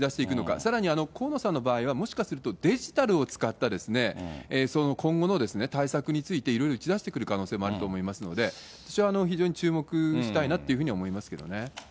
さらに河野さんの場合は、もしかするとデジタルを使った、今後の対策について、いろいろ打ち出してくる可能性もあると思いますので、私は非常に注目したいなと思いますね。